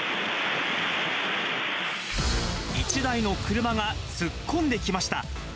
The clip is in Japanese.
１台の車が突っ込んできました。